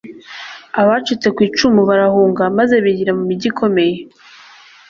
abacitse ku icumu barahunga maze bigira mu migi ikomeye